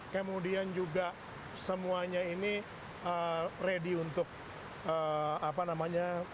kemudian juga semuanya ini ready untuk apa namanya